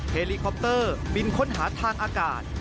เฮลิคอปเตอร์บินค้นหาทางอากาศ